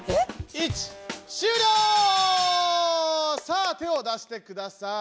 さあ手を出してください。